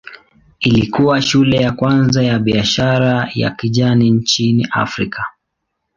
Ilikuwa shule ya kwanza ya biashara ya kijani nchini Afrika.